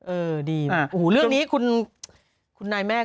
เออดีอู๋เรื่องนี้คุณนายแม่ก็